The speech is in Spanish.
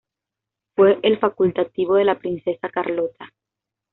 Fue el facultativo de la princesa Carlota.